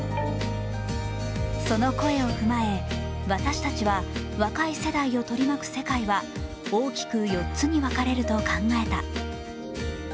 その声を踏まえ、私たちは若い世代を取り巻く世界は大きく４つに分かれると考えた。